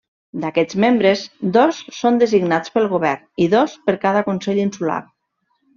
D'aquests membres, dos són designats pel Govern i dos per cada consell insular.